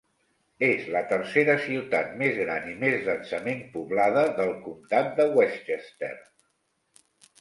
És la tercera ciutat més gran i més densament poblada del comtat de Westchester.